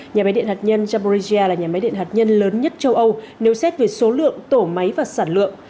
nhà máy điện hạt nhân zaborizia là nhà máy điện hạt nhân lớn nhất châu âu nếu xét về số lượng tổ máy và sản lượng